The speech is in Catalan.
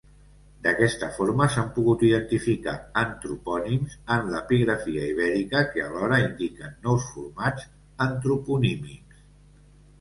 D'aquesta forma s'han pogut identificar antropònims en l'epigrafia ibèrica que alhora indiquen nous formants antroponímics.